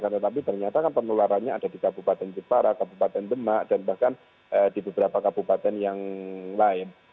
tetapi ternyata kan penularannya ada di kabupaten jepara kabupaten demak dan bahkan di beberapa kabupaten yang lain